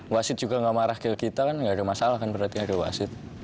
wasid juga enggak marah ke kita kan enggak ada masalah kan berarti enggak ada wasid